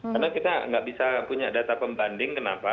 karena kita nggak bisa punya data pembanding kenapa